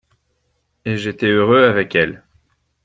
Et j'étais heureux avec elle.